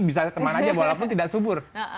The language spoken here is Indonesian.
bisa kemana aja walaupun tidak subur